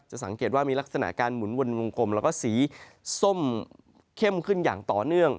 สังเกตว่ามีลักษณะการหมุนวนวงกลมแล้วก็สีส้มเข้มขึ้นอย่างต่อเนื่อง